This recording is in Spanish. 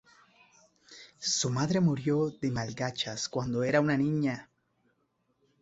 Su madre murió de Mal de Chagas cuando ella era una niña.